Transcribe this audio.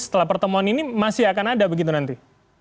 setelah pertemuan ini masih akan ada begitu nanti